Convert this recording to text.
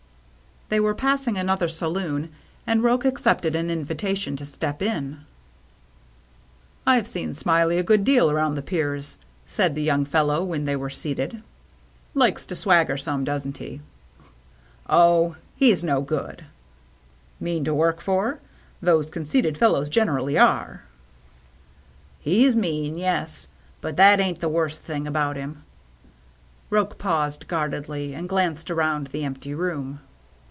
They were passing another saloon, and Roche accepted an invitation to step in. " I've seen Smiley a good deal around the piers," said the young fellow, when they were seated. " Likes to swagger some, doesn't he ?"" Oh, he's no good." " Mean to work for ? Those conceited fellows generally are." ISO THE MERRT ANNE " He's meanj yes. But that ain't the worst thing about him." Roche paused guardedly, and glanced around the empty room.